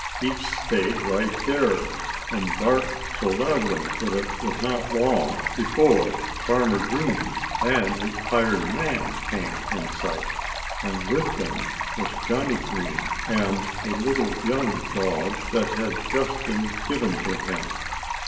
He stayed right there and barked so loudly that it was not long before Farmer Green and his hired man came in sight. And with them was Johnnie Green and a little, young dog that had just been given to him.